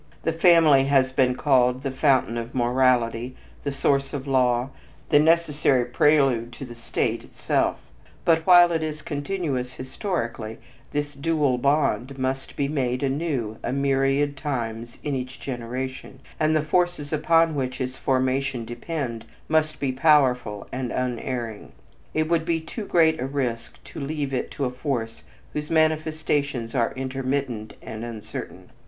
The family has been called "the fountain of morality," "the source of law," "the necessary prelude to the state" itself; but while it is continuous historically, this dual bond must be made anew a myriad times in each generation, and the forces upon which its formation depend must be powerful and unerring. It would be too great a risk to leave it to a force whose manifestations are intermittent and uncertain.